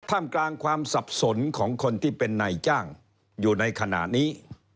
มกลางความสับสนของคนที่เป็นนายจ้างอยู่ในขณะนี้